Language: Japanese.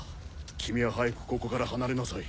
君は早くここから離れなさい。